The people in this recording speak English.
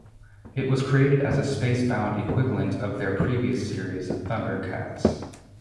It was created as a space-bound equivalent of their previous series, ThunderCats.